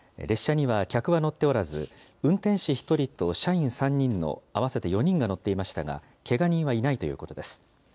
列車には客は乗っておらず、運転士１人と社員３人の合わせて４人が乗っていましたが、けが人はいないということです。